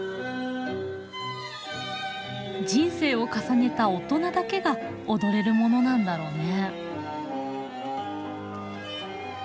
人生を重ねた大人だけが踊れるものなんだろうね。